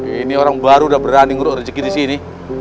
ini orang baru udah berani nguruk rezeki disini